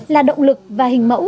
là động lực và hình mẫu